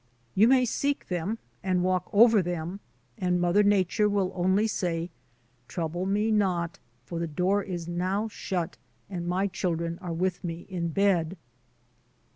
You may seek them and walk over them, and Mother Nature will only say: "Trouble me not, for the door is now shut and my children are with me in bed."